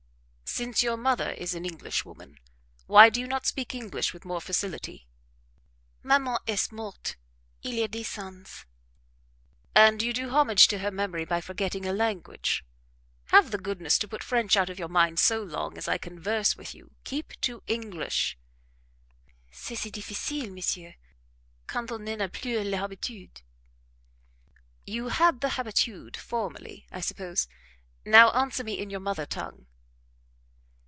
"Since your mother is an Englishwoman, why do you not speak English with more facility?" "Maman est morte, il y a dix ans." "And you do homage to her memory by forgetting her language. Have the goodness to put French out of your mind so long as I converse with you keep to English." "C'est si difficile, monsieur, quand on n'en a plus l'habitude." "You had the habitude formerly, I suppose? Now answer me in your mother tongue."